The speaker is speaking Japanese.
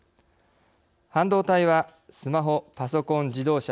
半導体はスマホ、パソコン、自動車。